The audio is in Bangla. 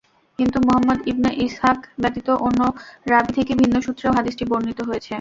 কিন্তু মুহাম্মদ ইবন ইসহাক ব্যতীত অন্য রাবী থেকে ভিন্ন সূত্রেও হাদীসটি বর্ণিত হয়েছে।